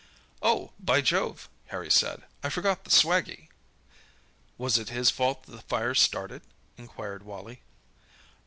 "Oh, by Jove," Harry said, "I forgot the swaggie." "Was it his fault the fire started?" inquired Wally.